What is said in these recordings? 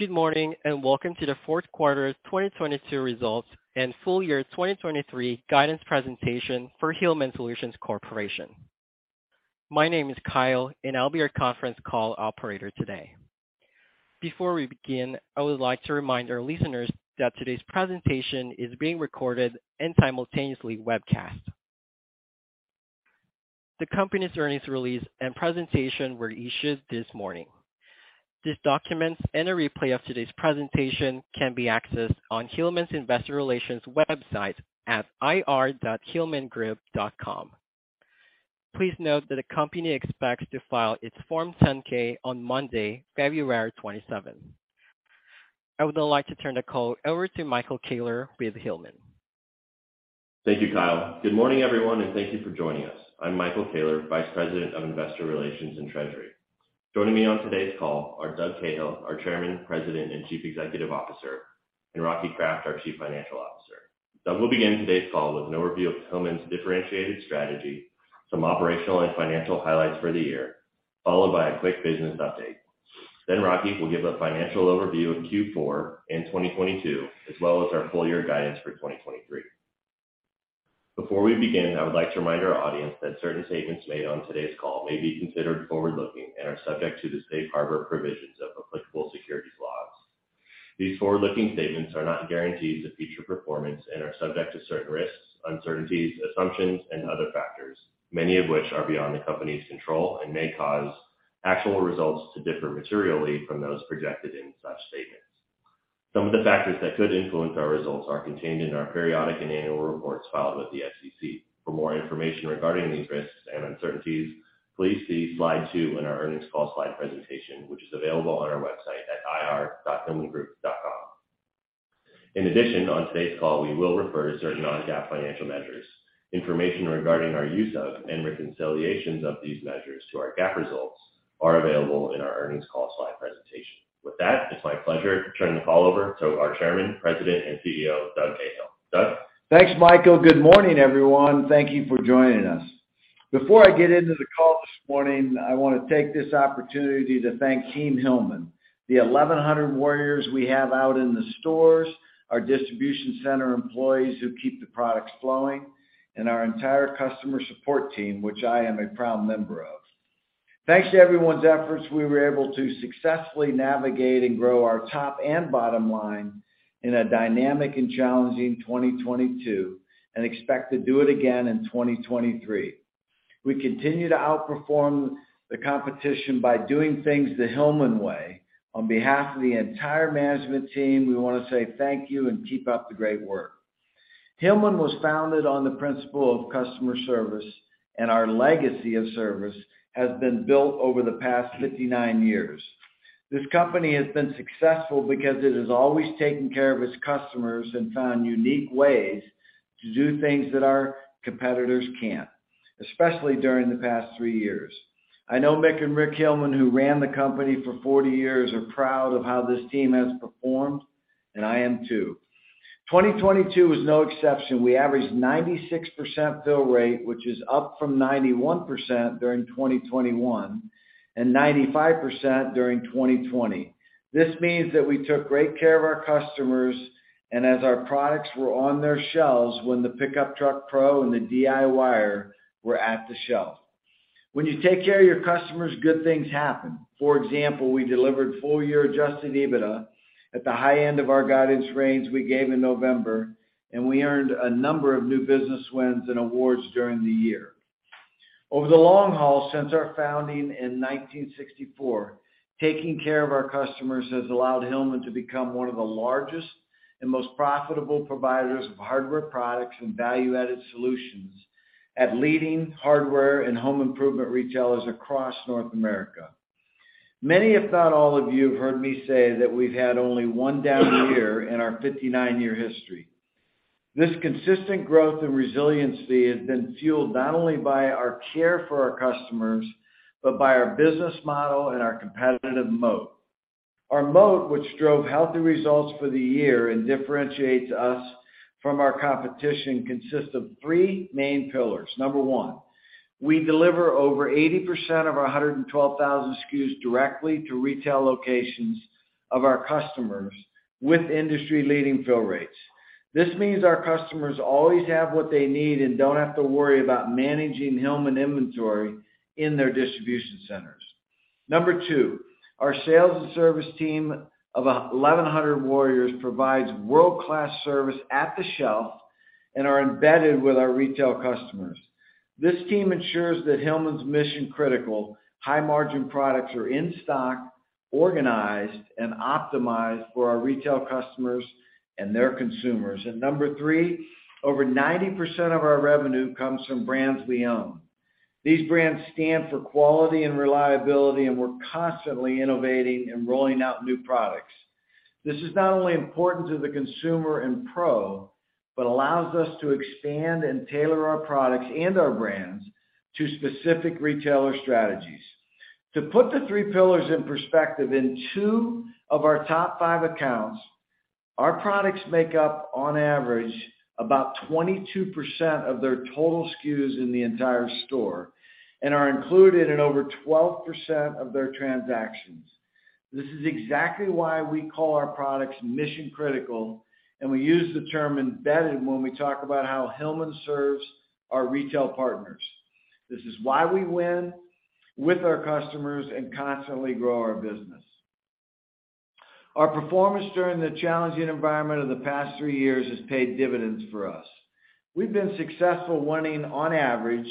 Good morning, welcome to the fourth quarter's 2022 results and full year 2023 guidance presentation for Hillman Solutions Corp. My name is Kyle, I'll be your conference call operator today. Before we begin, I would like to remind our listeners that today's presentation is being recorded and simultaneously webcast. The company's earnings release and presentation were issued this morning. These documents and a replay of today's presentation can be accessed on Hillman's Investor Relations website at ir.hillmangroup.com. Please note that the company expects to file its Form 10-K on Monday, February 27th. I would now like to turn the call over to Michael Koehler with Hillman. Thank you, Kyle. Good morning, everyone, thank you for joining us. I'm Michael Koehler, Vice President of Investor Relations and Treasury. Joining me on today's call are Doug Cahill, our Chairman, President, and Chief Executive Officer, and Rocky Kraft, our Chief Financial Officer. Doug will begin today's call with an overview of Hillman's differentiated strategy, some operational and financial highlights for the year, followed by a quick business update. Rocky will give a financial overview of Q4 and 2022, as well as our full year guidance for 2023. Before we begin, I would like to remind our audience that certain statements made on today's call may be considered forward-looking and are subject to the safe harbor provisions of applicable securities laws. These forward-looking statements are not guarantees of future performance and are subject to certain risks, uncertainties, assumptions, and other factors, many of which are beyond the company's control and may cause actual results to differ materially from those projected in such statements. Some of the factors that could influence our results are contained in our periodic and annual reports filed with the SEC. For more information regarding these risks and uncertainties, please see slide two in our earnings call slide presentation, which is available on our website at ir.hillmangroup.com. In addition, on today's call, we will refer to certain non-GAAP financial measures. Information regarding our use of and reconciliations of these measures to our GAAP results are available in our earnings call slide presentation. With that, it's my pleasure to turn the call over to our Chairman, President, and CEO, Doug Cahill. Doug? Thanks, Michael. Good morning, everyone. Thank you for joining us. Before I get into the call this morning, I wanna take this opportunity to thank Team Hillman, the 1,100 warriors we have out in the stores, our distribution center employees who keep the products flowing, and our entire customer support team, which I am a proud member of. Thanks to everyone's efforts, we were able to successfully navigate and grow our top and bottom line in a dynamic and challenging 2022, and expect to do it again in 2023. We continue to outperform the competition by doing things the Hillman way. On behalf of the entire management team, we wanna say thank you and keep up the great work. Hillman was founded on the principle of customer service, and our legacy of service has been built over the past 59 years. This company has been successful because it has always taken care of its customers and found unique ways to do things that our competitors can't, especially during the past three years. I know Mick and Rick Hillman, who ran the company for 40 years, are proud of how this team has performed, and I am too. 2022 was no exception. We averaged 96% fill rate, which is up from 91% during 2021 and 95% during 2020. This means that we took great care of our customers and as our products were on their shelves when the pickup truck pro and the DIYer were at the shelf. When you take care of your customers, good things happen. For example, we delivered full-year adjusted EBITDA at the high end of our guidance range we gave in November. We earned a number of new business wins and awards during the year. Over the long haul, since our founding in 1964, taking care of our customers has allowed Hillman to become one of the largest and most profitable providers of hardware products and value-added solutions at leading hardware and home improvement retailers across North America. Many, if not all of you, have heard me say that we've had only one down year in our 59-year history. This consistent growth and resiliency has been fueled not only by our care for our customers, but by our business model and our competitive moat. Our moat, which drove healthy results for the year and differentiates us from our competition, consists of three main pillars. Number one, we deliver over 80% of our 112,000 SKUs directly to retail locations of our customers with industry-leading fill rates. This means our customers always have what they need and don't have to worry about managing Hillman inventory in their distribution centers. Number two, our sales and service team of 1,100 warriors provides world-class service at the shelf and are embedded with our retail customers. This team ensures that Hillman's mission-critical high-margin products are in stock, organized, and optimized for our retail customers and their consumers. Number three, over 90% of our revenue comes from brands we own. These brands stand for quality and reliability, we're constantly innovating and rolling out new products. This is not only important to the consumer and pro, but allows us to expand and tailor our products and our brands to specific retailer strategies. To put the three pillars in perspective, in two of our top five accounts. Our products make up on average about 22% of their total SKUs in the entire store and are included in over 12% of their transactions. This is exactly why we call our products mission-critical. We use the term embedded when we talk about how Hillman serves our retail partners. This is why we win with our customers and constantly grow our business. Our performance during the challenging environment of the past three years has paid dividends for us. We've been successful winning on average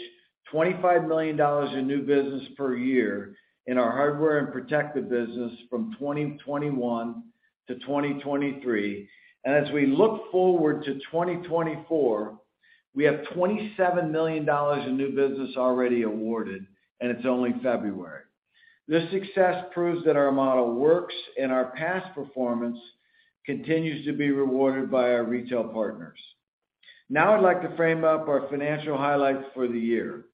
$25 million in new business per year in our Hardware and Protective business from 2021 to 2023. As we look forward to 2024, we have $27 million in new business already awarded, and it's only February. This success proves that our model works and our past performance continues to be rewarded by our retail partners. I'd like to frame up our financial highlights for the year.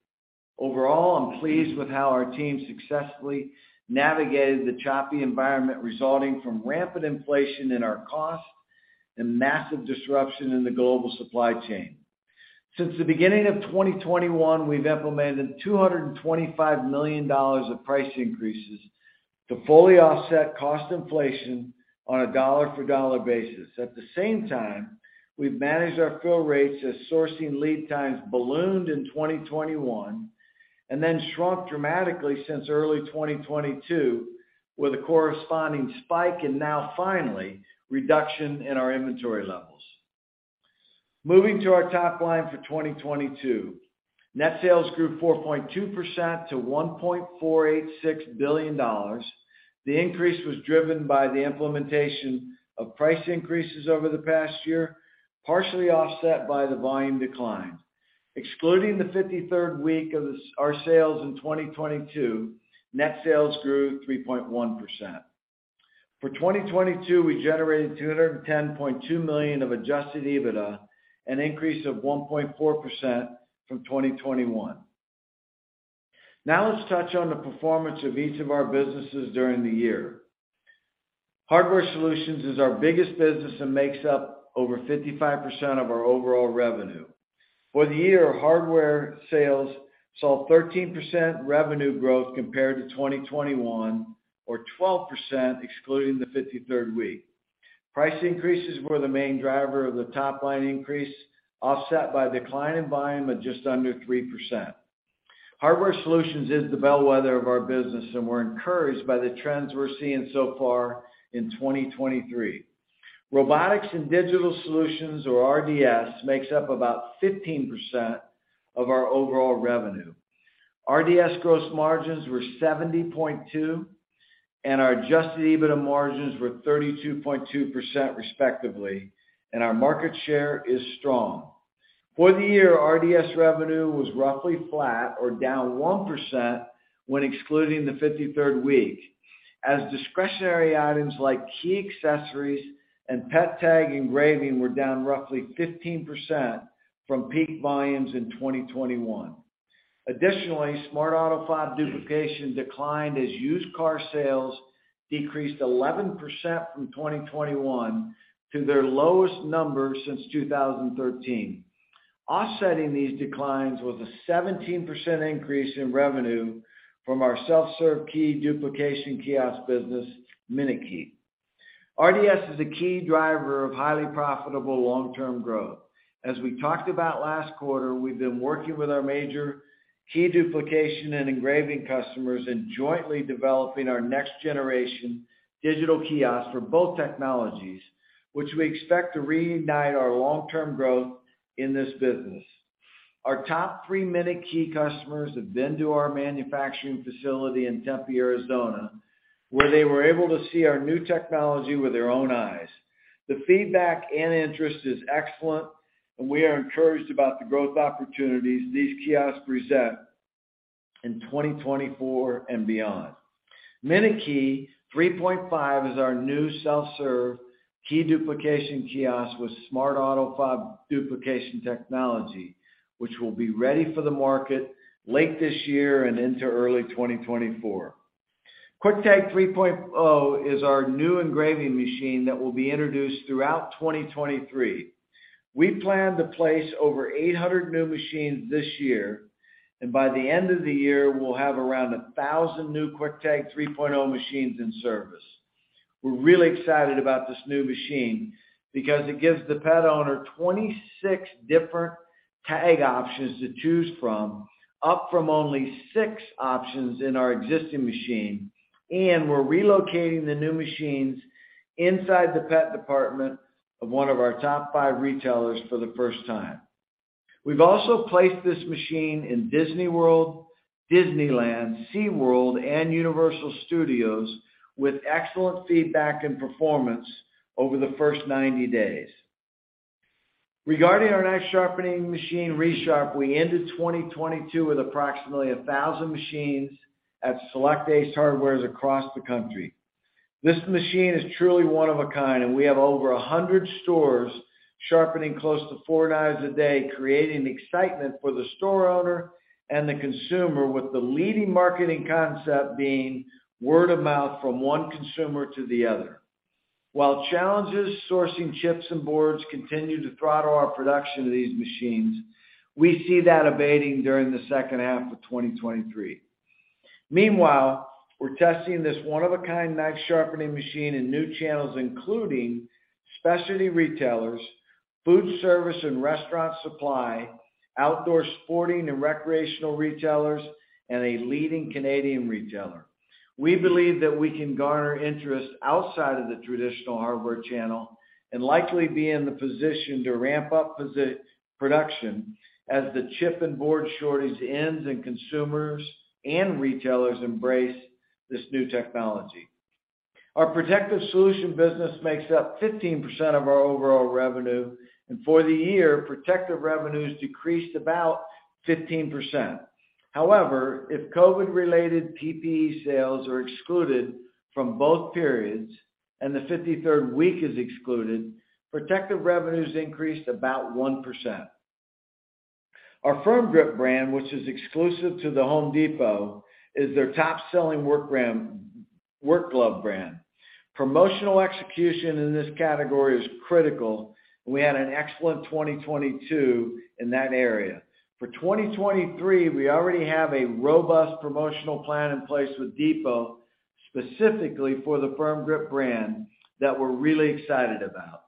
Overall, I'm pleased with how our team successfully navigated the choppy environment resulting from rampant inflation in our costs and massive disruption in the global supply chain. Since the beginning of 2021, we've implemented $225 million of price increases to fully offset cost inflation on a dollar-for-dollar basis. At the same time, we've managed our fill rates as sourcing lead times ballooned in 2021 and then shrunk dramatically since early 2022, with a corresponding spike and now finally reduction in our inventory levels. Moving to our top line for 2022, net sales grew 4.2% to $1.486 billion. The increase was driven by the implementation of price increases over the past year, partially offset by the volume decline. Excluding the 53rd week of our sales in 2022, net sales grew 3.1%. For 2022, we generated $210.2 million of adjusted EBITDA, an increase of 1.4% from 2021. Let's touch on the performance of each of our businesses during the year. Hardware Solutions is our biggest business and makes up over 55% of our overall revenue. For the year, Hardware Solutions sales saw 13% revenue growth compared to 2021 or 12% excluding the 53rd week. Price increases were the main driver of the top-line increase, offset by decline in volume of just under 3%. Hardware Solutions is the bellwether of our business, and we're encouraged by the trends we're seeing so far in 2023. Robotics and Digital Solutions, or RDS, makes up about 15% of our overall revenue. RDS gross margins were 70.2%, and our adjusted EBITDA margins were 32.2% respectively, and our market share is strong. For the year, RDS revenue was roughly flat or down 1% when excluding the 53rd week, as discretionary items like key accessories and pet tag engraving were down roughly 15% from peak volumes in 2021. Additionally, Smart AutoFob duplication declined as used car sales decreased 11% from 2021 to their lowest number since 2013. Offsetting these declines was a 17% increase in revenue from our self-serve key duplication kiosk business, minuteKEY. RDS is a key driver of highly profitable long-term growth. As we talked about last quarter, we've been working with our major key duplication and engraving customers in jointly developing our next-generation digital kiosk for both technologies, which we expect to reignite our long-term growth in this business. Our top three minuteKEY customers have been to our manufacturing facility in Tempe, Arizona, where they were able to see our new technology with their own eyes. The feedback and interest is excellent, and we are encouraged about the growth opportunities these kiosks present in 2024 and beyond. minuteKEY 3.5 is our new self-serve key duplication kiosk with Smart AutoFob duplication technology, which will be ready for the market late this year and into early 2024. Quick-Tag 3.0 is our new engraving machine that will be introduced throughout 2023. We plan to place over 800 new machines this year, and by the end of the year, we'll have around 1,000 new Quick-Tag 3.0 machines in service. We're really excited about this new machine because it gives the pet owner 26 different tag options to choose from, up from only six options in our existing machine, and we're relocating the new machines inside the pet department of one of our top five retailers for the first time. We've also placed this machine in Walt Disney World, Disneyland, SeaWorld, and Universal Studios with excellent feedback and performance over the first 90 days. Regarding our knife sharpening machine, Resharp, we ended 2022 with approximately 1,000 machines at select Ace Hardware across the country. This machine is truly one of a kind. We have over 100 stores sharpening close to four knives a day, creating excitement for the store owner and the consumer, with the leading marketing concept being word of mouth from one consumer to the other. While challenges sourcing chips and boards continue to throttle our production of these machines, we see that abating during the second half of 2023. Meanwhile, we're testing this one of a kind knife sharpening machine in new channels, including specialty retailers, food service and restaurant supply, outdoor sporting and recreational retailers, and a leading Canadian retailer. We believe that we can garner interest outside of the traditional hardware channel and likely be in the position to ramp up production as the chip and board shortage ends and consumers and retailers embrace this new technology. Our Protective Solutions business makes up 15% of our overall revenue, and for the year, protective revenues decreased about 15%. However, if COVID related PPE sales are excluded from both periods and the 53rd week is excluded, protective revenues increased about 1%. Our Firm Grip brand, which is exclusive to The Home Depot, is their top selling work glove brand. Promotional execution in this category is critical, and we had an excellent 2022 in that area. 2023, we already have a robust promotional plan in place with Depot specifically for the Firm Grip brand that we're really excited about.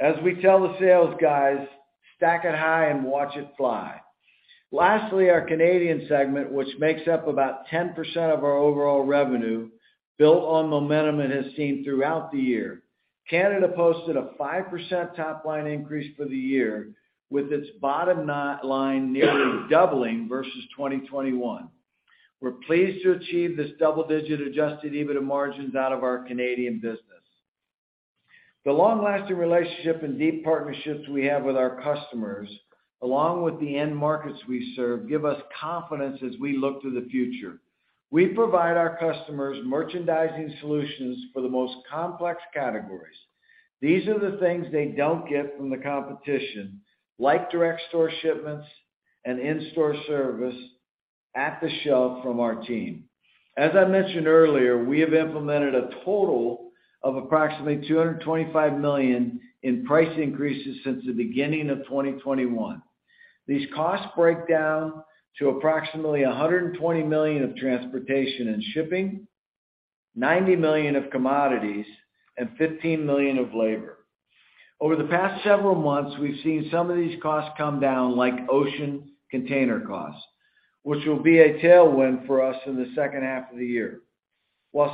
As we tell the sales guys, "Stack it high and watch it fly." Our Canadian segment, which makes up about 10% of our overall revenue, built on momentum it has seen throughout the year. Canada posted a 5% top line increase for the year, with its bottom line nearly doubling versus 2021. We're pleased to achieve this double-digit adjusted EBITDA margins out of our Canadian business. The long-lasting relationship and deep partnerships we have with our customers, along with the end markets we serve, give us confidence as we look to the future. We provide our customers merchandising solutions for the most complex categories. These are the things they don't get from the competition, like direct store shipments and in-store service at the shelf from our team. As I mentioned earlier, we have implemented a total of approximately $225 million in price increases since the beginning of 2021. These costs break down to approximately $120 million of transportation and shipping, $90 million of commodities, and $15 million of labor. Over the past several months, we've seen some of these costs come down, like ocean container costs, which will be a tailwind for us in the second half of the year.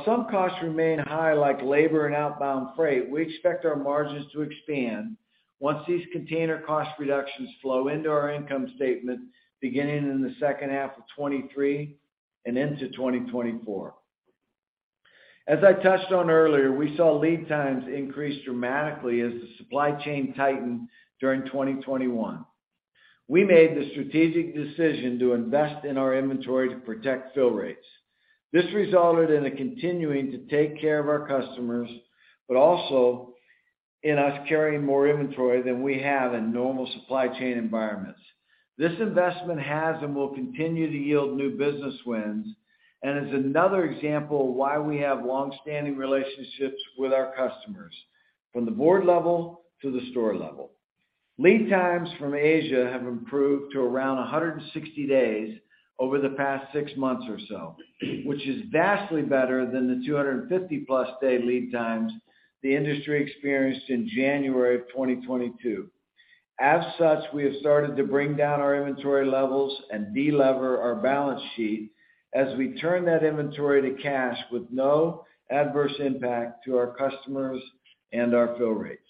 Some costs remain high, like labor and outbound freight, we expect our margins to expand once these container cost reductions flow into our income statement beginning in the second half of 2023 and into 2024. As I touched on earlier, we saw lead times increase dramatically as the supply chain tightened during 2021. We made the strategic decision to invest in our inventory to protect fill rates. This resulted in a continuing to take care of our customers, but also in us carrying more inventory than we have in normal supply chain environments. This investment has and will continue to yield new business wins and is another example of why we have longstanding relationships with our customers, from the board level to the store level. Lead times from Asia have improved to around 160 days over the past six months or so, which is vastly better than the 250-plus day lead times the industry experienced in January of 2022. We have started to bring down our inventory levels and de-lever our balance sheet as we turn that inventory to cash with no adverse impact to our customers and our fill rates.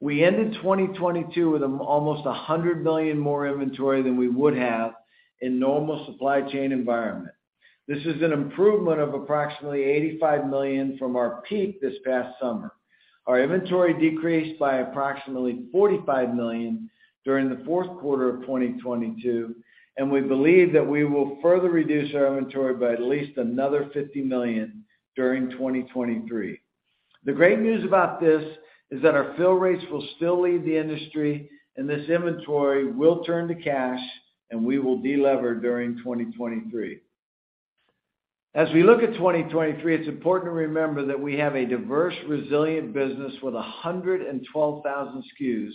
We ended 2022 with almost $100 million more inventory than we would have in normal supply chain environment. This is an improvement of approximately $85 million from our peak this past summer. Our inventory decreased by approximately $45 million during the fourth quarter of 2022, and we believe that we will further reduce our inventory by at least another $50 million during 2023. The great news about this is that our fill rates will still lead the industry, and this inventory will turn to cash, and we will de-lever during 2023. As we look at 2023, it's important to remember that we have a diverse, resilient business with 112,000 SKUs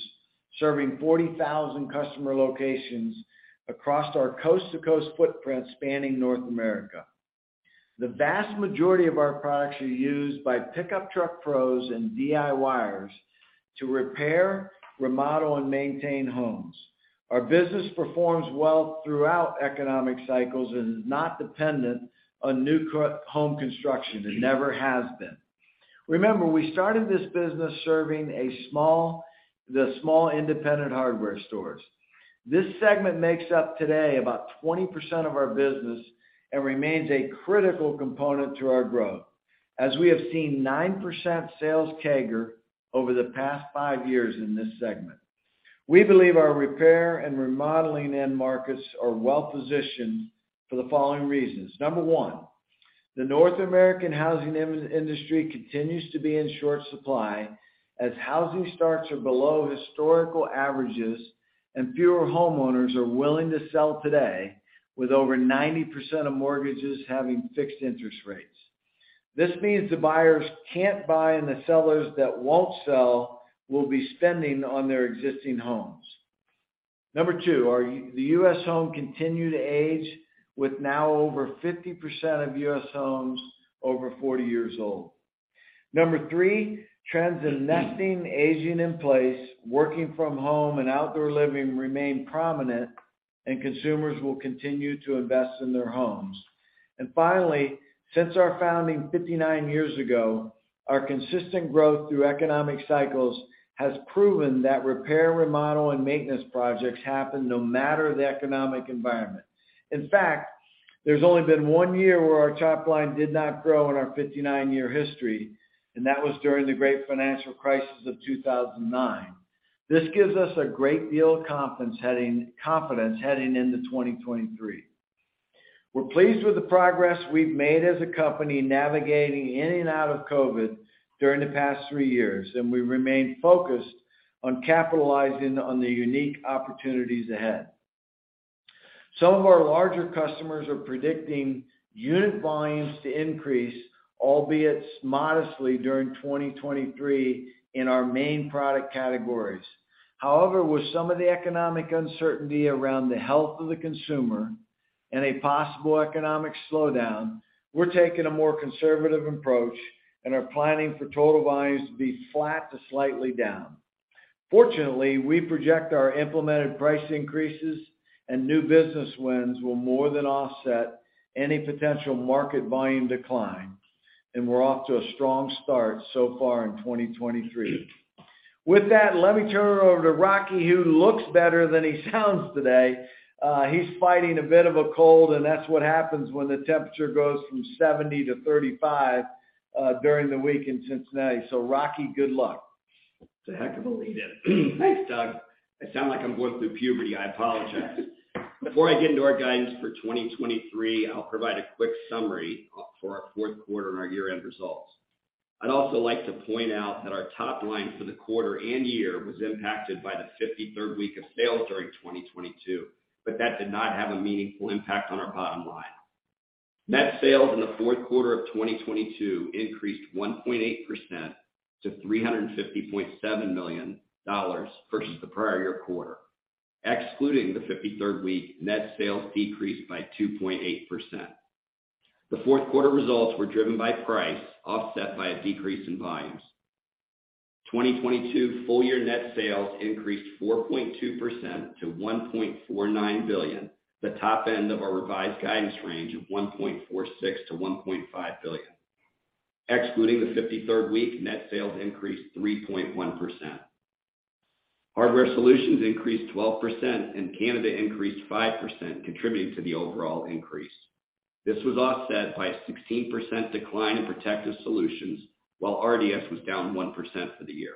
serving 40,000 customer locations across our coast-to-coast footprint spanning North America. The vast majority of our products are used by pickup truck pros and DIYers to repair, remodel, and maintain homes. Our business performs well throughout economic cycles and is not dependent on new home construction. It never has been. Remember, we started this business serving the small independent hardware stores. This segment makes up today about 20% of our business and remains a critical component to our growth, as we have seen 9% sales CAGR over the past five years in this segment. We believe our repair and remodeling end markets are well positioned for the following reasons. Number one. The North American housing industry continues to be in short supply as housing starts are below historical averages and fewer homeowners are willing to sell today with over 90% of mortgages having fixed interest rates. This means the buyers can't buy and the sellers that won't sell will be spending on their existing homes. Number two, the U.S. home continue to age with now over 50% of U.S. homes over 40 years old. Number three, trends in nesting, aging in place, working from home, and outdoor living remain prominent and consumers will continue to invest in their homes. Finally, since our founding 59 years ago, our consistent growth through economic cycles has proven that repair, remodel, and maintenance projects happen no matter the economic environment. In fact, there's only been one year where our top line did not grow in our 59 year history, and that was during the great financial crisis of 2009. This gives us a great deal of confidence heading into 2023. We're pleased with the progress we've made as a company navigating in and out of COVID during the past three years, and we remain focused on capitalizing on the unique opportunities ahead. Some of our larger customers are predicting unit volumes to increase, albeit modestly, during 2023 in our main product categories. With some of the economic uncertainty around the health of the consumer and a possible economic slowdown, we're taking a more conservative approach and are planning for total volumes to be flat to slightly down. Fortunately, we project our implemented price increases and new business wins will more than offset any potential market volume decline. We're off to a strong start so far in 2023. With that, let me turn it over to Rocky, who looks better than he sounds today. He's fighting a bit of a cold, and that's what happens when the temperature goes from 70 to 35 during the week in Cincinnati. Rocky, good luck. That's a heck of a lead in. Thanks, Doug. I sound like I'm going through puberty. I apologize. Before I get into our guidance for 2023, I'll provide a quick summary for our fourth quarter and our year-end results. I'd also like to point out that our top line for the quarter and year was impacted by the 53rd week of sales during 2022, but that did not have a meaningful impact on our bottom line. Net sales in the fourth quarter of 2022 increased 1.8% to $350.7 million versus the prior year quarter. Excluding the 53rd week, net sales decreased by 2.8%. The fourth quarter results were driven by price, offset by a decrease in volumes. 2022 full year net sales increased 4.2% to $1.49 billion, the top end of our revised guidance range of $1.46 billion-$1.5 billion. Excluding the 53rd week, net sales increased 3.1%. Hardware Solutions increased 12%, and Canada increased 5%, contributing to the overall increase. This was offset by a 16% decline in Protective Solutions, while RDS was down 1% for the year.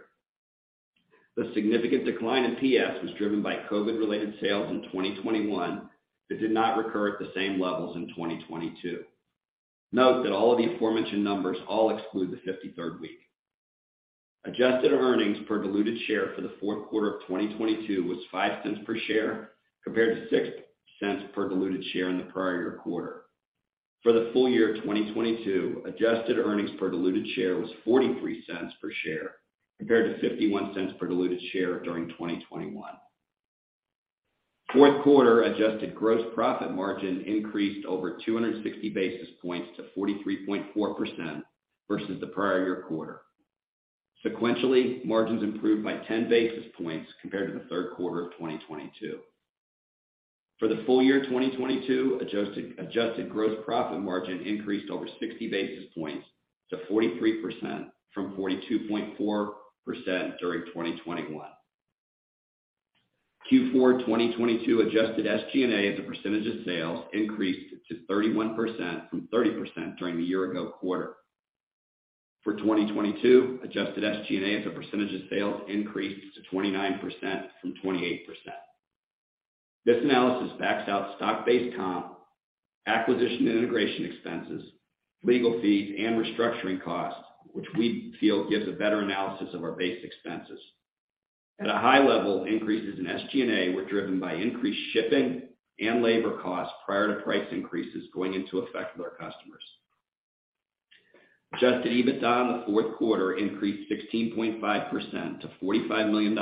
The significant decline in PS was driven by COVID-related sales in 2021 that did not recur at the same levels in 2022. Note that all of the aforementioned numbers all exclude the 53rd week. Adjusted earnings per diluted share for the fourth quarter of 2022 was $0.05 per share compared to $0.06 per diluted share in the prior year quarter. For the full year of 2022, adjusted earnings per diluted share was $0.43 per share compared to $0.51 per diluted share during 2021. Fourth quarter adjusted gross profit margin increased over 260 basis points to 43.4% versus the prior year quarter. Sequentially, margins improved by 10 basis points compared to the third quarter of 2022. For the full year of 2022, adjusted gross profit margin increased over 60 basis points to 43% from 42.4% during 2021. Q4 2022 adjusted SG&A as a percentage of sales increased to 31% from 30% during the year ago quarter. For 2022, adjusted SG&A as a percentage of sales increased to 29% from 28%. This analysis backs out stock-based comp, acquisition and integration expenses, legal fees, and restructuring costs, which we feel gives a better analysis of our base expenses. At a high level, increases in SG&A were driven by increased shipping and labor costs prior to price increases going into effect with our customers. Adjusted EBITDA in the fourth quarter increased 16.5% to $45 million,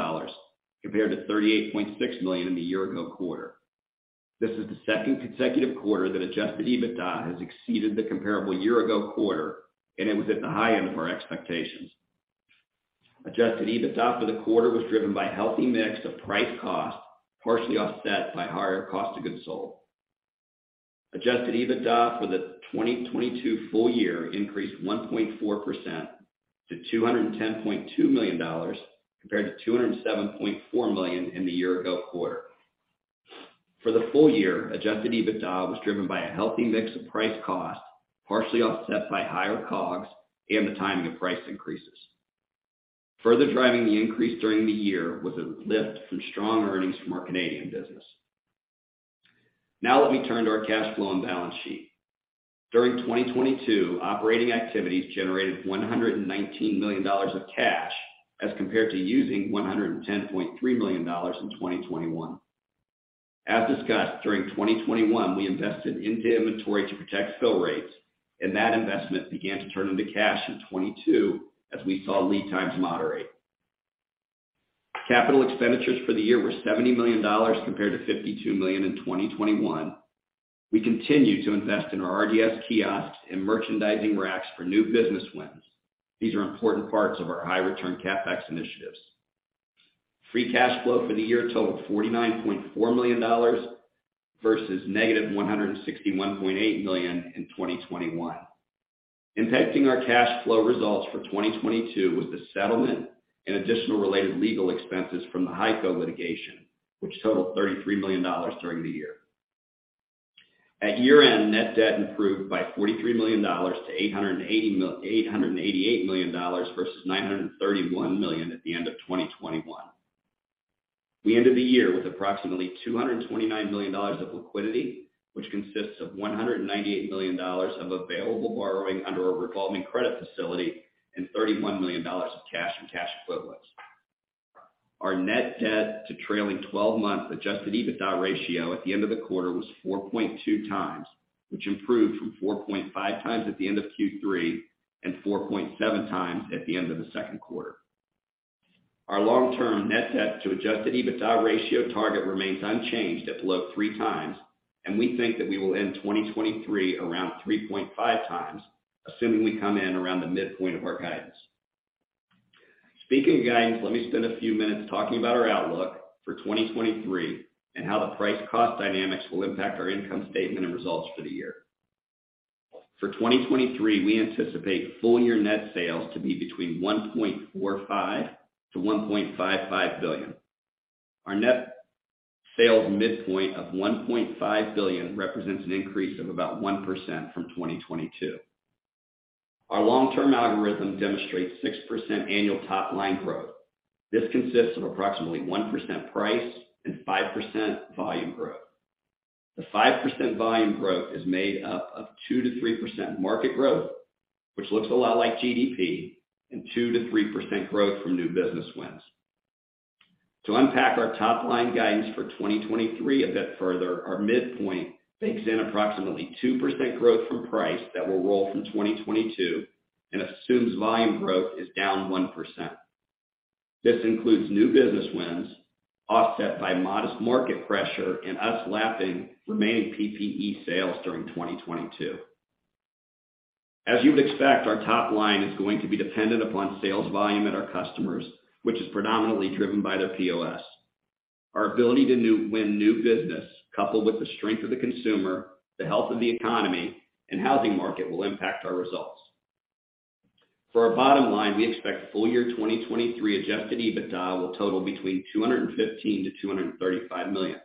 compared to $38.6 million in the year ago quarter. This is the second consecutive quarter that adjusted EBITDA has exceeded the comparable year ago quarter, and it was at the high end of our expectations. Adjusted EBITDA for the quarter was driven by healthy mix of price cost, partially offset by higher cost of goods sold. adjusted EBITDA for the 2022 full year increased 1.4% to $210.2 million, compared to $207.4 million in the year ago quarter. For the full year, adjusted EBITDA was driven by a healthy mix of price cost, partially offset by higher COGS and the timing of price increases. Further driving the increase during the year was a lift from strong earnings from our Canadian business. Now let me turn to our cash flow and balance sheet. During 2022, operating activities generated $119 million of cash as compared to using $110.3 million in 2021. As discussed during 2021, we invested into inventory to protect fill rates, and that investment began to turn into cash in 2022 as we saw lead times moderate. CapEx for the year were $70 million compared to $52 million in 2021. We continue to invest in our RDS kiosks and merchandising racks for new business wins. These are important parts of our high return CapEx initiatives. Free cash flow for the year totaled $49.4 million versus negative $161.8 million in 2021. Impacting our cash flow results for 2022 was the settlement and additional related legal expenses from the Hy-Ko litigation, which totaled $33 million during the year. At year-end, net debt improved by $43 million to $888 million versus $931 million at the end of 2021. We ended the year with approximately $229 million of liquidity, which consists of $198 million of available borrowing under a revolving credit facility and $31 million of cash and cash equivalents. Our net debt to trailing twelve months adjusted EBITDA ratio at the end of the quarter was 4.2x, which improved from 4.5x at the end of Q3, and 4.7x at the end of the second quarter. Our long-term net debt to adjusted EBITDA ratio target remains unchanged at below 3x, and we think that we will end 2023 around 3.5x, assuming we come in around the midpoint of our guidance. Speaking of guidance, let me spend a few minutes talking about our outlook for 2023 and how the price cost dynamics will impact our income statement and results for the year. For 2023, we anticipate full-year net sales to be between $1.45 billion-$1.55 billion. Our net sales midpoint of $1.5 billion represents an increase of about 1% from 2022. Our long-term algorithm demonstrates 6% annual top-line growth. This consists of approximately 1% price and 5% volume growth. The 5% volume growth is made up of 2%-3% market growth, which looks a lot like GDP and 2%-3% growth from new business wins. To unpack our top-line guidance for 2023 a bit further, our midpoint bakes in approximately 2% growth from price that will roll from 2022 and assumes volume growth is down 1%. This includes new business wins offset by modest market pressure and us lapping remaining PPE sales during 2022. As you would expect, our top line is going to be dependent upon sales volume at our customers, which is predominantly driven by their POS. Our ability to win new business, coupled with the strength of the consumer, the health of the economy and housing market, will impact our results. For our bottom line, we expect full-year 2023 adjusted EBITDA will total between $215 million-$235 million.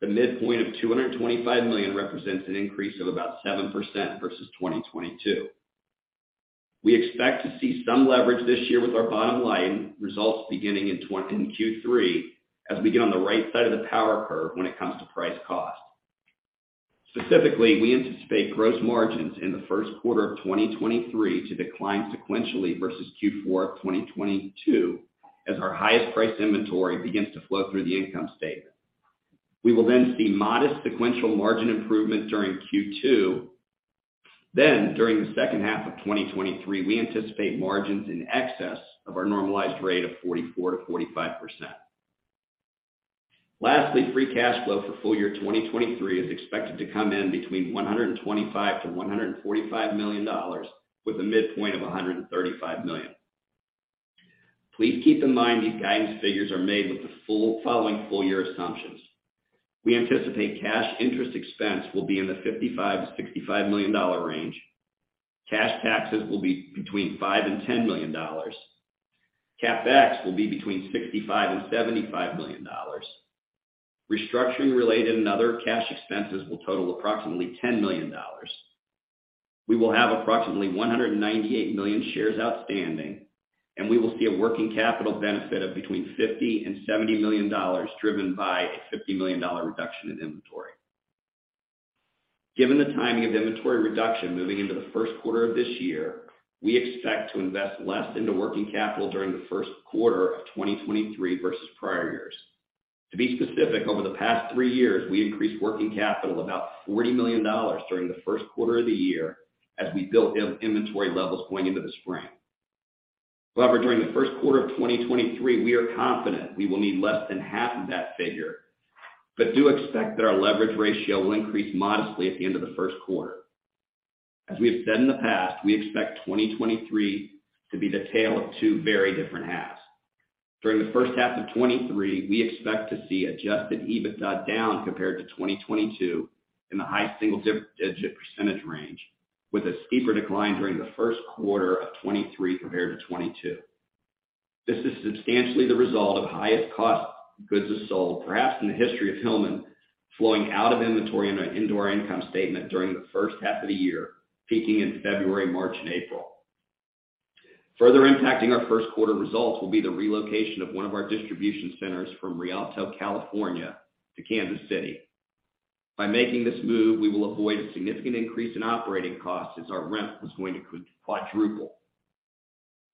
The midpoint of $225 million represents an increase of about 7% versus 2022. We expect to see some leverage this year with our bottom line results beginning in Q3 as we get on the right side of the power curve when it comes to price cost. Specifically, we anticipate gross margins in the first quarter of 2023 to decline sequentially versus Q4 of 2022 as our highest-priced inventory begins to flow through the income statement. We will then see modest sequential margin improvement during Q2. During the second half of 2023, we anticipate margins in excess of our normalized rate of 44%-45%. Free cash flow for full year 2023 is expected to come in between $125 million-$145 million with a midpoint of $135 million. Please keep in mind these guidance figures are made with the following full year assumptions. We anticipate cash interest expense will be in the $55 million-$65 million range. Cash taxes will be between $5 million and $10 million. CapEx will be between $65 million and $75 million. Restructuring related and other cash expenses will total approximately $10 million. We will have approximately 198 million shares outstanding, and we will see a working capital benefit of between $50 million and $70 million, driven by a $50 million reduction in inventory. Given the timing of inventory reduction moving into the first quarter of this year, we expect to invest less into working capital during the first quarter of 2023 versus prior years. To be specific, over the past three years, we increased working capital about $40 million during the first quarter of the year as we built in-inventory levels going into the spring. During the first quarter of 2023, we are confident we will need less than half of that figure. Do expect that our leverage ratio will increase modestly at the end of the first quarter. As we have said in the past, we expect 2023 to be the tale of two very different halves. During the first half of 2023, we expect to see adjusted EBITDA down compared to 2022 in the high single digit % range, with a steeper decline during the first quarter of 2023 compared to 2022. This is substantially the result of highest cost goods of sold, perhaps in the history of Hillman. Flowing out of inventory and into our income statement during the first half of the year, peaking in February, March and April. Further impacting our first quarter results will be the relocation of one of our distribution centers from Rialto, California, to Kansas City. By making this move, we will avoid a significant increase in operating costs as our rent was going to quadruple.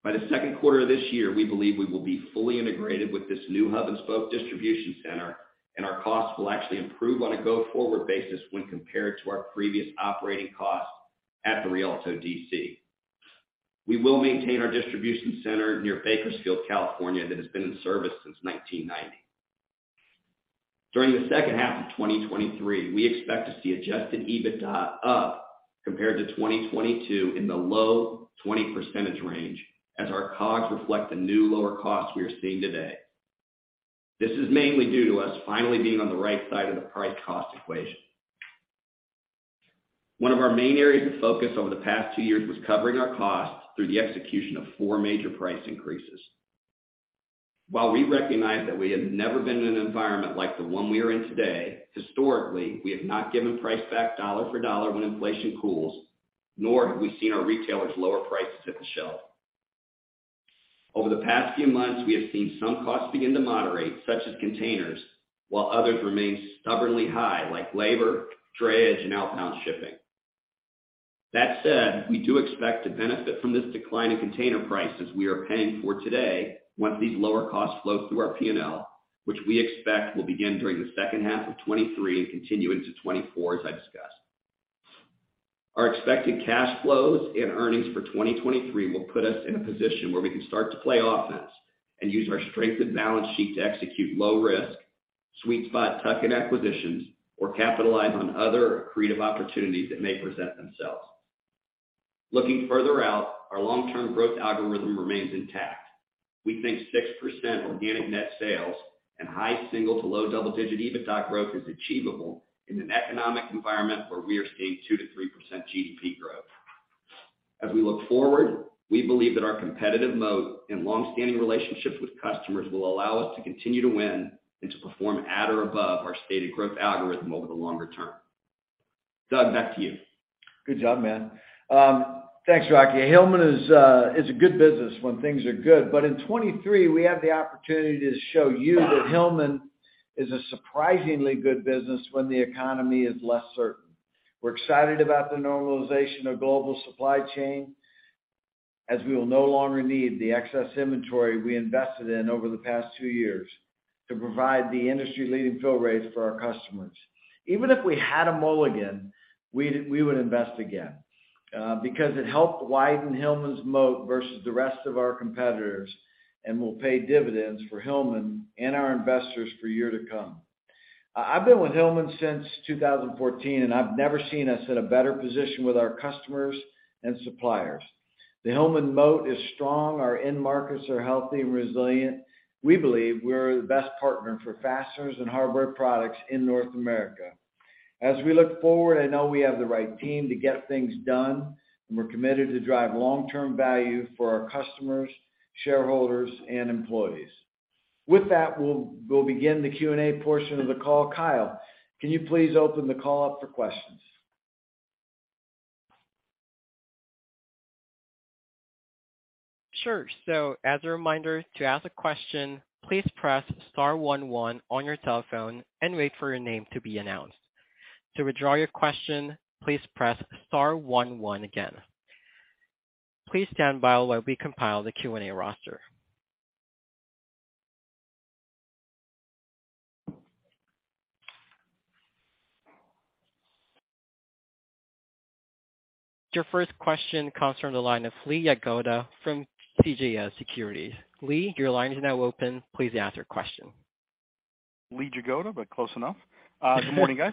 By the second quarter of this year, we believe we will be fully integrated with this new hub and spoke distribution center, and our costs will actually improve on a go-forward basis when compared to our previous operating costs at the Rialto DC. We will maintain our distribution center near Bakersfield, California, that has been in service since 1990. During the second half of 2023, we expect to see adjusted EBITDA up compared to 2022 in the low 20% range as our COGS reflect the new lower costs we are seeing today. This is mainly due to us finally being on the right side of the price-cost equation. One of our main areas of focus over the past two years was covering our costs through the execution of four major price increases. While we recognize that we have never been in an environment like the one we are in today, historically, we have not given price back dollar for dollar when inflation cools, nor have we seen our retailers lower prices at the shelf. Over the past few months, we have seen some costs begin to moderate, such as containers, while others remain stubbornly high, like labor, drayage, and outbound shipping. That said, we do expect to benefit from this decline in container prices we are paying for today once these lower costs flow through our P&L, which we expect will begin during the second half of 23 and continue into 24, as I discussed. Our expected cash flows and earnings for 2023 will put us in a position where we can start to play offense and use our strengthened balance sheet to execute low risk, sweet spot tuck-in acquisitions or capitalize on other creative opportunities that may present themselves. Looking further out, our long-term growth algorithm remains intact. We think 6% organic net sales and high single to low double-digit EBITDA growth is achievable in an economic environment where we are seeing 2%-3% GDP growth. As we look forward, we believe that our competitive moat and long-standing relationships with customers will allow us to continue to win and to perform at or above our stated growth algorithm over the longer term. Doug, back to you. Good job, man. Thanks, Rocky. Hillman is a good business when things are good. In 23, we have the opportunity to show you that Hillman is a surprisingly good business when the economy is less certain. We're excited about the normalization of global supply chain, as we will no longer need the excess inventory we invested in over the past two years to provide the industry-leading fill rates for our customers. Even if we had a mulligan, we would invest again, because it helped widen Hillman's moat versus the rest of our competitors and will pay dividends for Hillman and our investors for years to come. I've been with Hillman since 2014. I've never seen us in a better position with our customers and suppliers. The Hillman moat is strong. Our end markets are healthy and resilient. We believe we're the best partner for fasteners and hardware products in North America. As we look forward, I know we have the right team to get things done, and we're committed to drive long-term value for our customers, shareholders, and employees. With that, we'll begin the Q&A portion of the call. Kyle, can you please open the call up for questions? Sure. As a reminder, to ask a question, please press star one one on your telephone and wait for your name to be announced. To withdraw your question, please press star one one again. Please stand by while we compile the Q&A roster. Your first question comes from the line of Lee Jagoda from CJS Securities. Lee, your line is now open. Please ask your question. Lee Jagoda, close enough. Good morning, guys.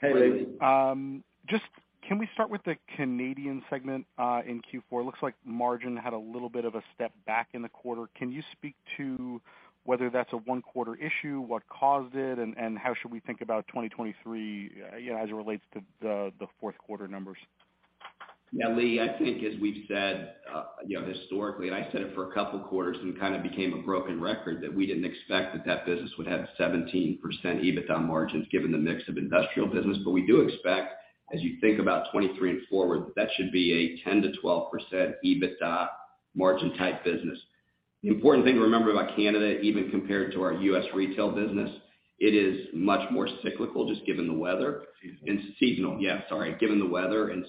Hey, Lee. Hey, Lee. Just can we start with the Canadian segment in Q4? It looks like margin had a little bit of a step back in the quarter. Can you speak to whether that's a one-quarter issue, what caused it, and how should we think about 2023 as it relates to the fourth quarter numbers? Yeah, Lee, I think as we've said, you know, historically, and I said it for a couple quarters and kind of became a broken record, that we didn't expect that that business would have 17% EBITDA margins given the mix of industrial business. We do expect, as you think about 2023 and forward, that that should be a 10%-12% EBITDA margin type business. The important thing to remember about Canada, even compared to our U.S. retail business, it is much more cyclical, just given the weather. Seasonal. Seasonal. Yeah, sorry. Given the weather. As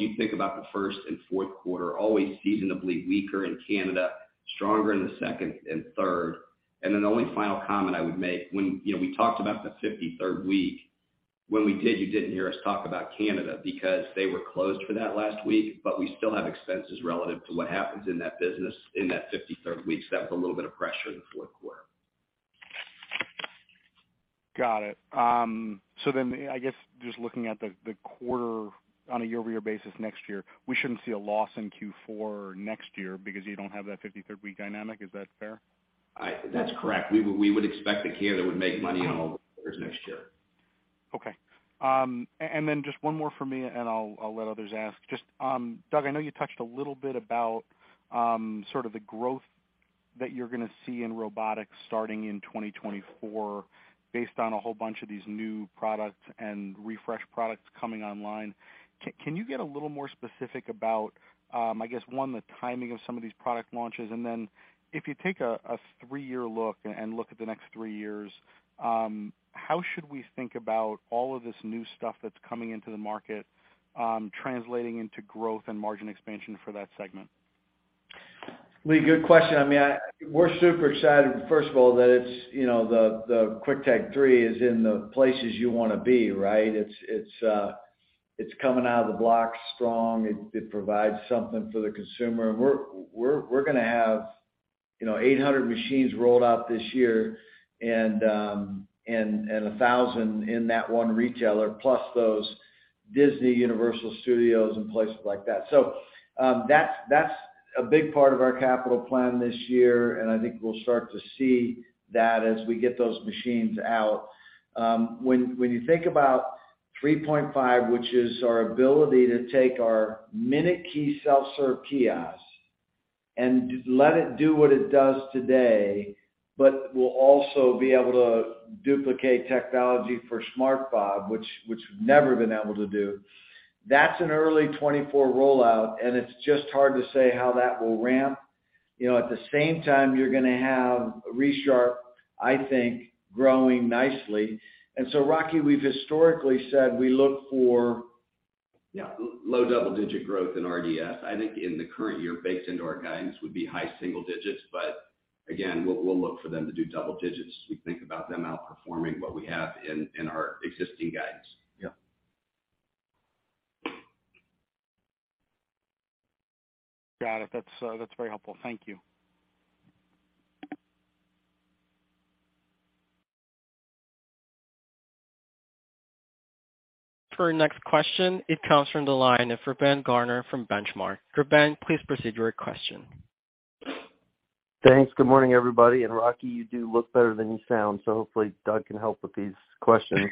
you think about the first and fourth quarter, always seasonably weaker in Canada, stronger in the second and third. The only final comment I would make, when, you know, we talked about the 53rd week, when we did, you didn't hear us talk about Canada because they were closed for that last week, but we still have expenses relative to what happens in that business in that 53rd week, so that was a little bit of pressure in the fourth quarter. Got it. I guess just looking at the quarter on a year-over-year basis next year, we shouldn't see a loss in Q4 next year because you don't have that 53rd week dynamic. Is that fair? That's correct. We would expect that Canada would make money on all the quarters next year. Okay. Just one more from me, and I'll let others ask. Just, Doug, I know you touched a little bit about sort of the growth that you're going to see in Robotics starting in 2024 based on a whole bunch of these new products and refresh products coming online. Can you get a little more specific about, I guess one, the timing of some of these product launches? If you take a three-year look and look at the next three years, how should we think about all of this new stuff that's coming into the market, translating into growth and margin expansion for that segment? Lee, good question. I mean, we're super excited, first of all, that it's, you know, the Quick-Tag 3.0 is in the places you wanna be, right? It's coming out of the blocks strong. It provides something for the consumer. We're gonna have, you know, 800 machines rolled out this year and 1,000 in that one retailer plus those Disney Universal Studios and places like that. That's a big part of our capital plan this year, and I think we'll start to see that as we get those machines out. When, when you think about 3.5, which is our ability to take our minuteKEY self-serve kiosk and let it do what it does today, but we'll also be able to duplicate technology for Smart AutoFob, which we've never been able to do. That's an early 2024 rollout, it's just hard to say how that will ramp. You know, at the same time, you're gonna have Resharp, I think, growing nicely. Rocky, we've historically said we look for... Low double-digit growth in RDS. I think in the current year, baked into our guidance would be high single digits, but again, we'll look for them to do double digits. We think about them outperforming what we have in our existing guidance. Yeah. Got it. That's very helpful. Thank you. For our next question, it comes from the line of Reuben Garner from Benchmark. Reuben, please proceed to your question. Thanks. Good morning, everybody. Rocky, you do look better than you sound, so hopefully Doug can help with these questions.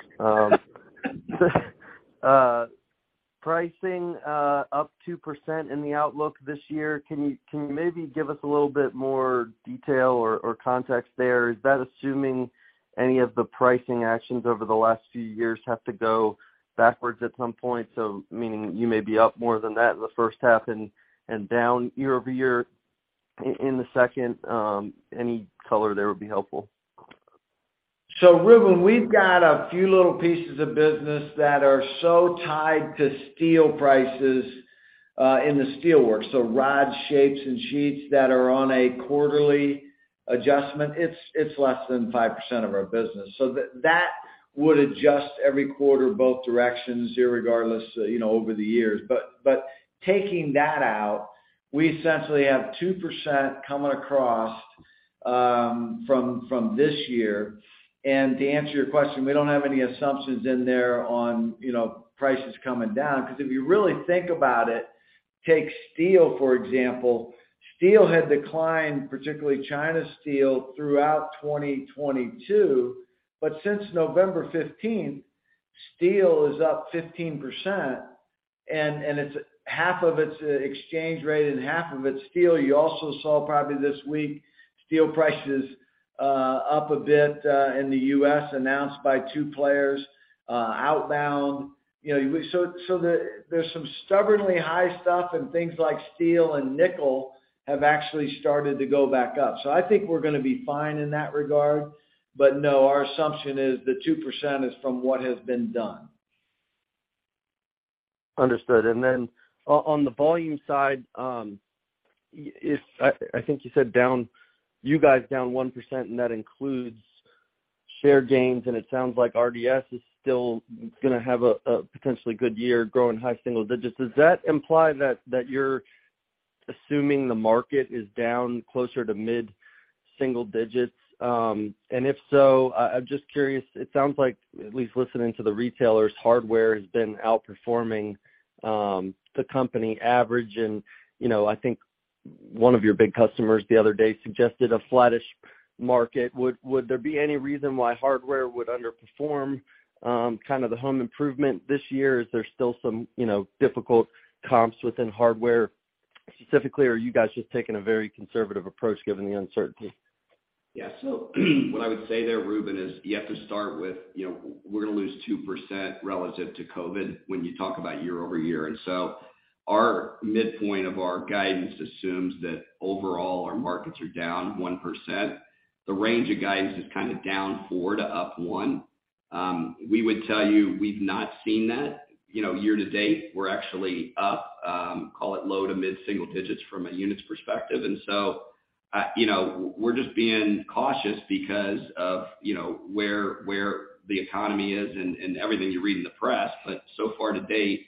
Pricing up 2% in the outlook this year. Can you maybe give us a little bit more detail or context there? Is that assuming any of the pricing actions over the last few years have to go backwards at some point? Meaning you may be up more than that in the first half and down year-over-year in the second. Any color there would be helpful. Reuben, we've got a few little pieces of business that are so tied to steel prices in the steel work, so rod shapes and sheets that are on a quarterly adjustment. It's less than 5% of our business. That would adjust every quarter both directions irregardless, you know, over the years. Taking that out, we essentially have 2% coming across from this year. To answer your question, we don't have any assumptions in there on, you know, prices coming down, 'cause if you really think about it, take steel, for example. Steel had declined, particularly China steel, throughout 2022. Since November 15th, steel is up 15% and it's half of its exchange rate and half of it's steel. You also saw probably this week steel prices, up a bit, in the U.S. announced by two players, outbound. You know, there's some stubbornly high stuff and things like steel and nickel have actually started to go back up. I think we're gonna be fine in that regard. No, our assumption is the 2% is from what has been done. Understood. On the volume side, I think you said you guys down 1% and that includes share gains, and it sounds like RDS is still gonna have a potentially good year growing high single digits. Does that imply that you're assuming the market is down closer to mid-single digits? If so, I'm just curious, it sounds like at least listening to the retailers, hardware has been outperforming the company average. You know, I think one of your big customers the other day suggested a flattish market. Would there be any reason why hardware would underperform kind of the home improvement this year? Is there still some, you know, difficult comps within hardware? Specifically, are you guys just taking a very conservative approach given the uncertainty? What I would say there, Reuben, is you have to start with, we're gonna lose 2% relative to COVID when you talk about year-over-year. Our midpoint of our guidance assumes that overall our markets are down 1%. The range of guidance is kind of -4% to +1%. We would tell you we've not seen that. Year to date, we're actually up, call it low to mid-single digits from a units perspective. We're just being cautious because of where the economy is and everything you read in the press. So far to date,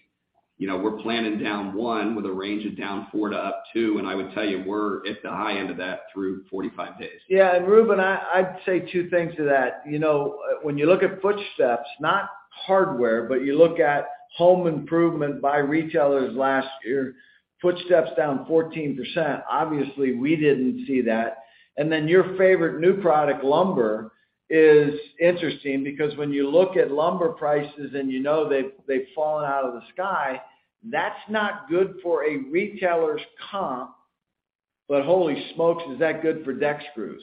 we're planning -1% with a range of -4% to +2%, and I would tell you, we're at the high end of that through 45 days. Yeah. Reuben, I'd say two things to that. You know, when you look at footsteps, not hardware, but you look at home improvement by retailers last year, footsteps down 14%. Obviously, we didn't see that. Your favorite new product, lumber, is interesting because when you look at lumber prices and you know they've fallen out of the sky, that's not good for a retailer's comp. Holy smokes, is that good for deck screws.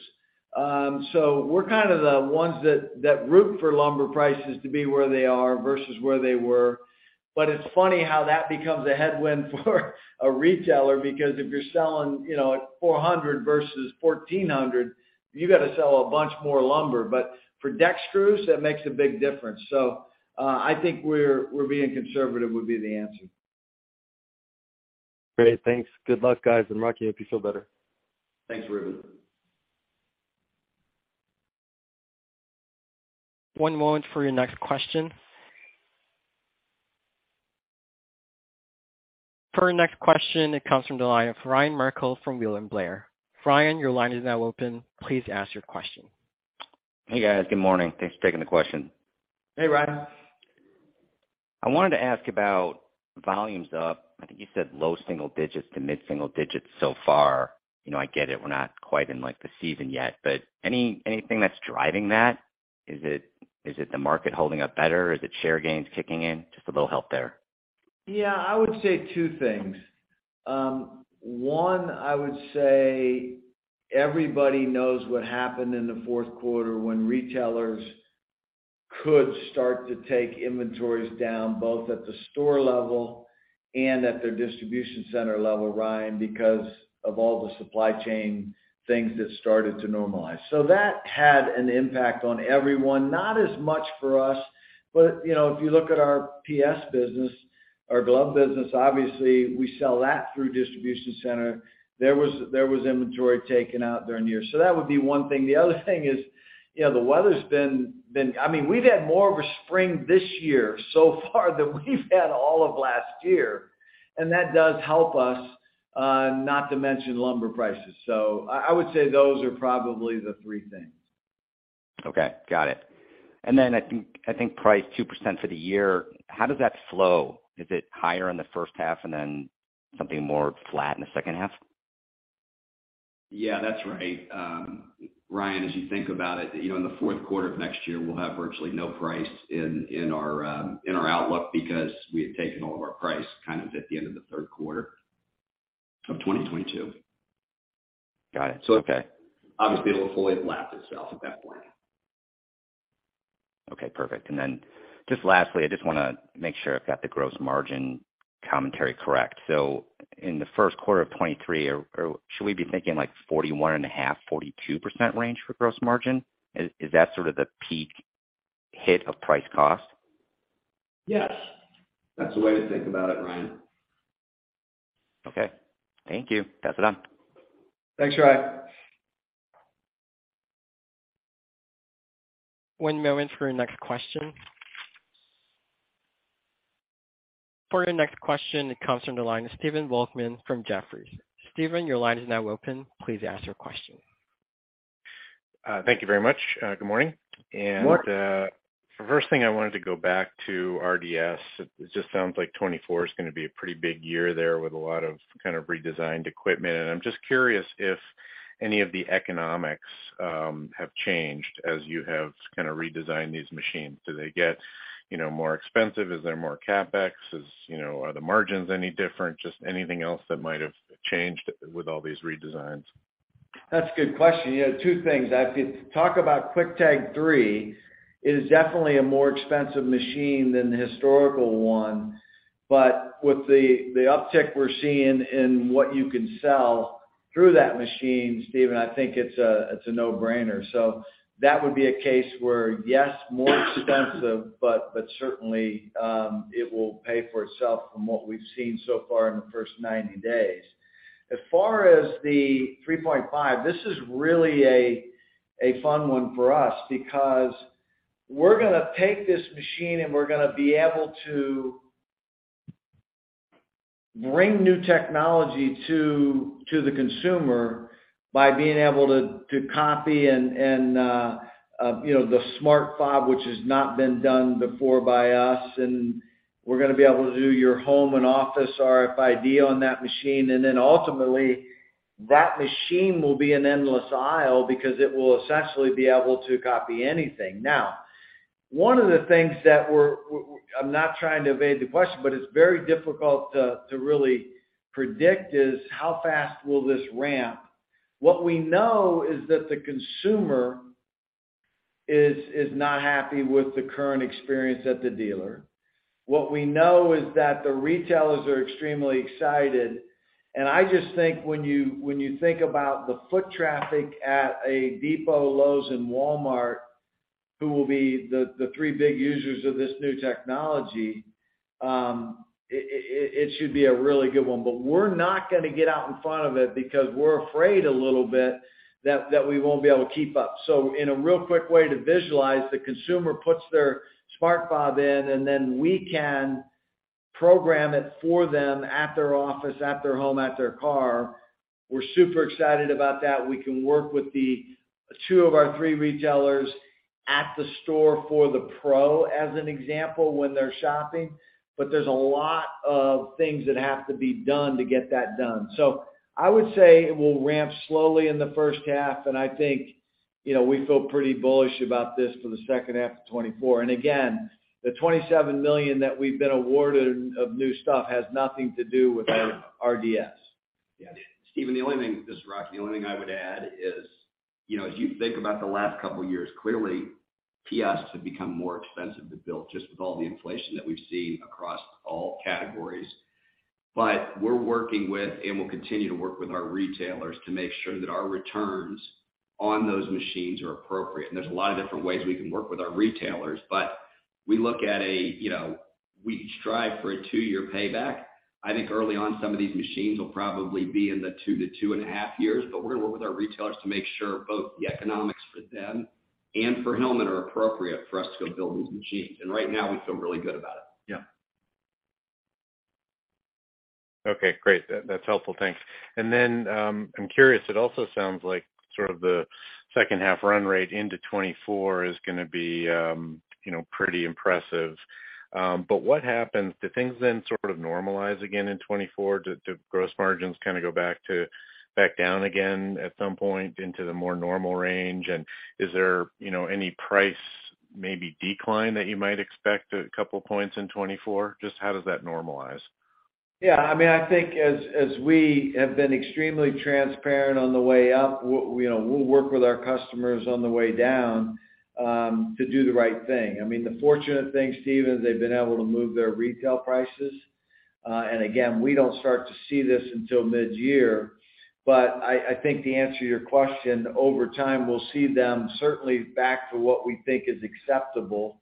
We're kind of the ones that root for lumber prices to be where they are versus where they were. It's funny how that becomes a headwind for a retailer, because if you're selling, you know, at 400 versus 1,400, you got to sell a bunch more lumber. For deck screws, that makes a big difference. I think we're being conservative, would be the answer. Great. Thanks. Good luck, guys. Mark, I hope you feel better. Thanks, Reuben. One moment for your next question. For our next question, it comes from the line of Ryan Merkel from William Blair. Ryan, your line is now open. Please ask your question. Hey, guys. Good morning. Thanks for taking the question. Hey, Ryan. I wanted to ask about volumes up. I think you said low single digits to mid-single digits so far. You know, I get it, we're not quite in, like, the season yet, but anything that's driving that? Is it the market holding up better? Is it share gains kicking in? Just a little help there. I would say two things. One, I would say everybody knows what happened in the fourth quarter when retailers could start to take inventories down, both at the store level and at their distribution center level, Ryan, because of all the supply chain things that started to normalize. That had an impact on everyone. Not as much for us, but, you know, if you look at our PS business, our glove business, obviously, we sell that through distribution center. There was inventory taken out during the year. That would be one thing. The other thing is, you know, the weather's been, I mean, we've had more of a spring this year so far than we've had all of last year, and that does help us, not to mention lumber prices. I would say those are probably the three things. Okay, got it. I think price 2% for the year, how does that flow? Is it higher in the first half and then something more flat in the second half? Yeah, that's right. Ryan, as you think about it, you know, in the fourth quarter of next year, we'll have virtually no price in our outlook because we had taken all of our price kind of at the end of the third quarter of 2022. Got it. Okay. Obviously, it'll fully lap itself at that point. Okay, perfect. Just lastly, I just wanna make sure I've got the gross margin commentary correct. In the first quarter of 2023, should we be thinking like 41.5%-42% range for gross margin? Is that sort of the peak hit of price cost? Yes. That's the way to think about it, Ryan. Okay. Thank you. Pass it on. Thanks, Ryan. One moment for your next question. For your next question, it comes from the line of Stephen Volkmann from Jefferies. Stephen, your line is now open. Please ask your question. Thank you very much. Good morning. Good morning. The first thing I wanted to go back to RDS, it just sounds like 2024 is gonna be a pretty big year there with a lot of kind of redesigned equipment. I'm just curious if any of the economics have changed as you have kinda redesigned these machines. Do they get, you know, more expensive? Is there more CapEx? Are the margins any different? Just anything else that might have changed with all these redesigns. That's a good question. Yeah, two things. If you talk about Quick-Tag III, it is definitely a more expensive machine than the historical one. With the uptick we're seeing in what you can sell through that machine, Stephen, I think it's a no-brainer. That would be a case where, yes, more expensive, but certainly, it will pay for itself from what we've seen so far in the first 90 days. As far as the 3.5, this is really a fun one for us because we're gonna take this machine, and we're gonna be able to bring new technology to the consumer by being able to copy and, you know, the smart fob, which has not been done before by us, and we're gonna be able to do your home and office RFID on that machine. Then ultimately, that machine will be an endless aisle because it will essentially be able to copy anything. Now, one of the things that I'm not trying to evade the question, but it's very difficult to really predict, is how fast will this ramp. What we know is that the consumer is not happy with the current experience at the dealer. What we know is that the retailers are extremely excited. I just think when you think about the foot traffic at a Depot, Lowe's, and Walmart, who will be the three big users of this new technology, it should be a really good one. We're not gonna get out in front of it because we're afraid a little bit that we won't be able to keep up. In a real quick way to visualize, the consumer puts their smart fob in, and then we can program it for them at their office, at their home, at their car. We're super excited about that. We can work with the two of our three retailers at the store for the pro as an example when they're shopping. There's a lot of things that have to be done to get that done. I would say it will ramp slowly in the first half, and I think...You know, we feel pretty bullish about this for the second half of 2024. Again, the $27 million that we've been awarded of new stuff has nothing to do with our RDS. Yeah. Stephen, the only thing— This is Rocky. The only thing I would add is, you know, as you think about the last couple of years, clearly, PS have become more expensive to build just with all the inflation that we've seen across all categories. We're working with, and we'll continue to work with our retailers to make sure that our returns on those machines are appropriate. There's a lot of different ways we can work with our retailers. We look at a, you know, we strive for a two-year payback. I think early on, some of these machines will probably be in the 2-2.5 years, but we're gonna work with our retailers to make sure both the economics for them and for Hillman are appropriate for us to go build these machines. Right now we feel really good about it. Yeah. Okay, great. That's helpful. Thanks. I'm curious, it also sounds like sort of the second half run rate into 2024 is gonna be, you know, pretty impressive. What happens? Do things then sort of normalize again in 2024? Do gross margins kinda go back down again at some point into the more normal range? Is there, you know, any price maybe decline that you might expect a couple points in 2024? Just how does that normalize? Yeah. I mean, I think as we have been extremely transparent on the way up, we'll, you know, we'll work with our customers on the way down, to do the right thing. I mean, the fortunate thing, Stephen, they've been able to move their retail prices. Again, we don't start to see this until mid-year. I think to answer your question, over time, we'll see them certainly back to what we think is acceptable.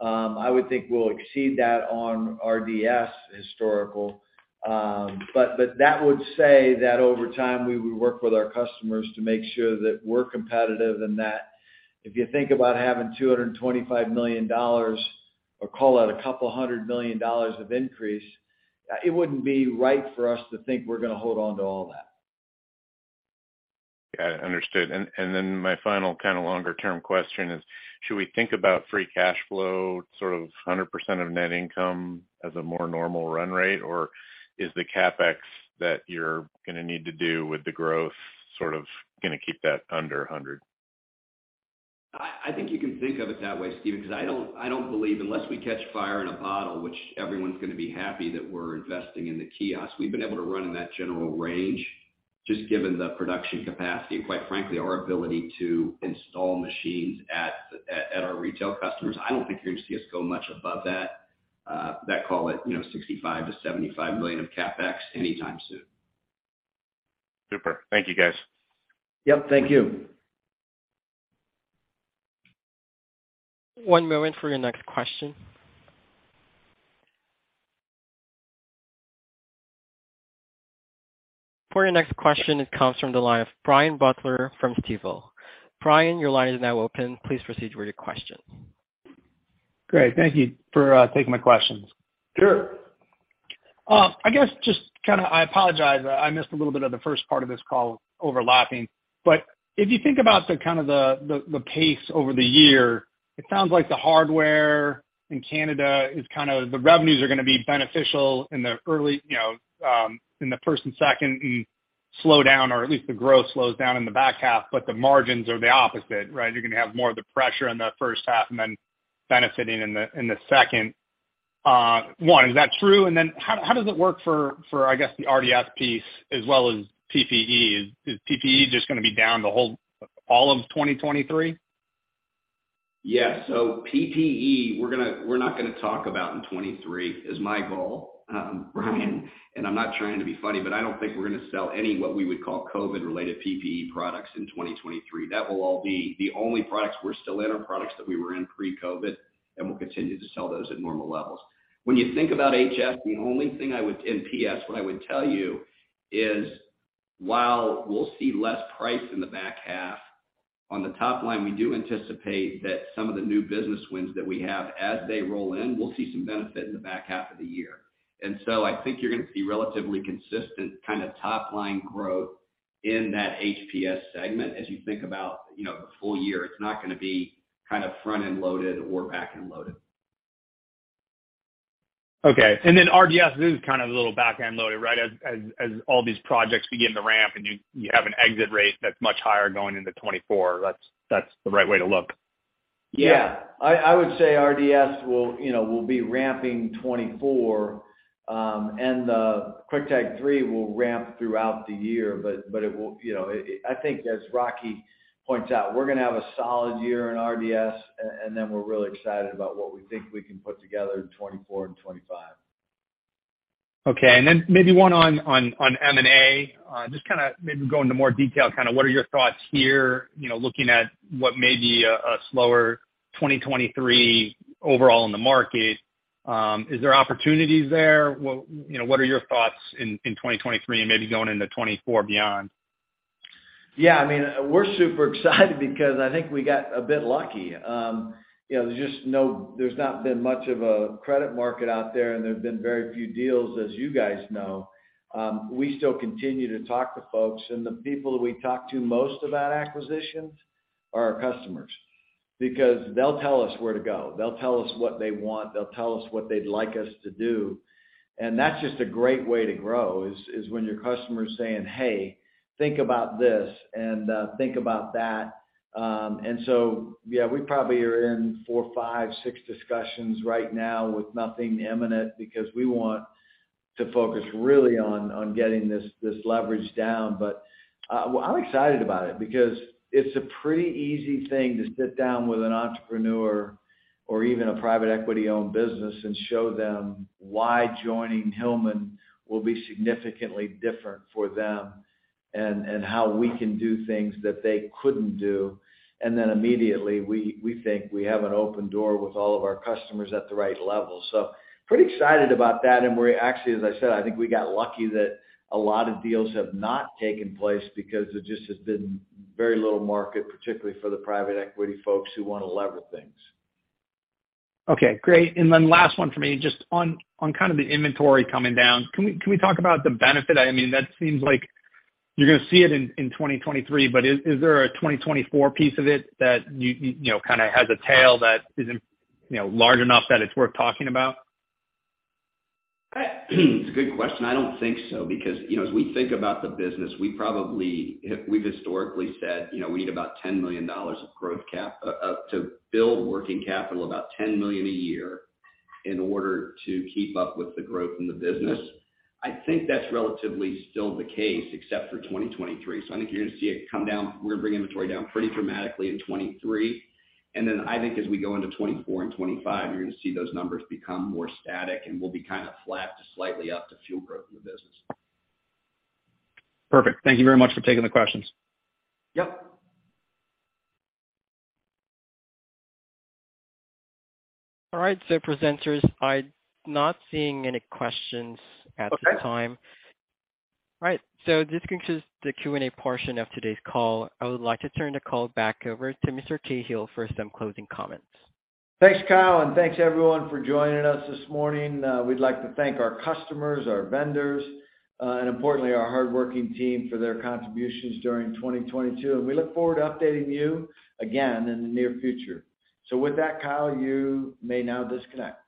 I would think we'll exceed that on RDS historical. That would say that over time, we would work with our customers to make sure that we're competitive and that if you think about having $225 million or call it a couple hundred million dollars of increase, it wouldn't be right for us to think we're gonna hold on to all that. Yeah, understood. Then my final kind of longer-term question is, should we think about free cash flow, sort of 100% of net income as a more normal run rate? Or is the CapEx that you're going to need to do with the growth sort of going to keep that under 100? I think you can think of it that way, Stephen, 'cause I don't believe unless we catch fire in a bottle, which everyone's gonna be happy that we're investing in the kiosk. We've been able to run in that general range just given the production capacity, and quite frankly, our ability to install machines at our retail customers. I don't think you're gonna see us go much above that call it, you know, $65 million-$75 million of CapEx anytime soon. Super. Thank you, guys. Yep. Thank you. One moment for your next question. For your next question, it comes from the line of Brian Butler from Stifel. Brian, your line is now open. Please proceed with your question. Great. Thank you for taking my questions. Sure. I guess just kinda I apologize, I missed a little bit of the first part of this call overlapping. If you think about the kind of the pace over the year, it sounds like the hardware in Canada is kind of the revenues are gonna be beneficial in the early, you know, in the first and second and slow down, or at least the growth slows down in the back half, but the margins are the opposite, right? You're gonna have more of the pressure in the first half and then benefiting in the second. One, is that true? Then how does it work for, I guess, the RDS piece as well as PPE? Is PPE just gonna be down the whole all of 2023? Yeah. PPE, we're not gonna talk about in 2023, is my goal, Brian. I'm not trying to be funny, but I don't think we're gonna sell any what we would call COVID-related PPE products in 2023. The only products we're still in are products that we were in pre-COVID, and we'll continue to sell those at normal levels. When you think about HS and PS, what I would tell you is, while we'll see less price in the back half. On the top line, we do anticipate that some of the new business wins that we have as they roll in, we'll see some benefit in the back half of the year. I think you're going to see relatively consistent kinda top-line growth in that HPS segment as you think about, you know, the full year. It's not going to be kind of front-end loaded or back-end loaded. Okay. RDS is kind of a little back-end loaded, right? As all these projects begin to ramp and you have an exit rate that's much higher going into 2024. That's the right way to look. I would say RDS will, you know, will be ramping 2024, and the Quick-Tag 3.0 will ramp throughout the year. It will, you know. I think as Rocky points out, we're gonna have a solid year in RDS, and then we're really excited about what we think we can put together in 2024 and 2025. Okay. Maybe one on M&A. Just kinda maybe go into more detail, kinda what are your thoughts here, you know, looking at what may be a slower 2023 overall in the market. Is there opportunities there? You know, what are your thoughts in 2023 and maybe going into 2024 beyond? Yeah. I mean, we're super excited because I think we got a bit lucky. You know, there's just there's not been much of a credit market out there, and there have been very few deals, as you guys know. We still continue to talk to folks, and the people we talk to most about acquisitions are our customers. Because they'll tell us where to go. They'll tell us what they want, they'll tell us what they'd like us to do. That's just a great way to grow, is when your customer is saying, "Hey, think about this and think about that." Yeah, we probably are in four, five, six discussions right now with nothing imminent because we want to focus really on getting this leverage down. Well, I'm excited about it because it's a pretty easy thing to sit down with an entrepreneur or even a private equity-owned business and show them why joining Hillman will be significantly different for them and how we can do things that they couldn't do. Immediately we think we have an open door with all of our customers at the right level. Pretty excited about that. We're actually, as I said, I think we got lucky that a lot of deals have not taken place because there just has been very little market, particularly for the private equity folks who wanna lever things. Okay, great. Last one for me, just on kind of the inventory coming down. Can we talk about the benefit? I mean, that seems like you're gonna see it in 2023, but is there a 2024 piece of it that you know, kind of has a tail that isn't, you know, large enough that it's worth talking about? It's a good question. I don't think so because, you know, as we think about the business, we've historically said, you know, we need about $10 million of growth to build working capital about $10 million a year in order to keep up with the growth in the business. I think that's relatively still the case except for 2023. I think you're gonna see it come down. We're gonna bring inventory down pretty dramatically in 2023. I think as we go into 2024 and 2025, you're gonna see those numbers become more static, and we'll be kind of flat to slightly up to fuel growth in the business. Perfect. Thank you very much for taking the questions. Yep. All right, presenters, I'm not seeing any questions at the time. Okay. All right. This concludes the Q&A portion of today's call. I would like to turn the call back over to Mr. Cahill for some closing comments. Thanks, Kyle, and thanks everyone for joining us this morning. We'd like to thank our customers, our vendors, and importantly, our hardworking team for their contributions during 2022. We look forward to updating you again in the near future. With that, Kyle, you may now disconnect.